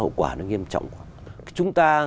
hậu quả nó nghiêm trọng chúng ta